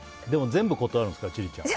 全部断るんですから、千里ちゃん。